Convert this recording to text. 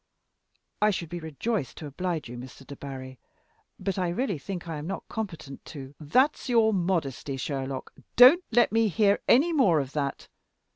"I should be rejoiced to oblige you, Mr. Debarry, but I really think I am not competent to " "That's your modesty, Sherlock. Don't let me hear any more of that.